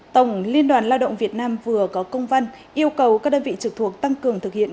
tổng liên đoàn lao động việt nam vừa có công văn yêu cầu các đơn vị trực thuộc tăng cường thực hiện